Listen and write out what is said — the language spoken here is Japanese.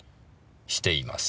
しています。